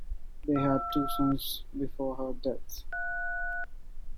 They had two sons before her death.